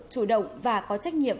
chủ động và có trách nhiệm